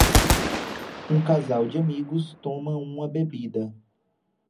Um casal de amigos toma uma bebida